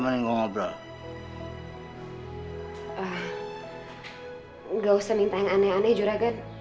eh ga usah minta yang aneh aneh juragan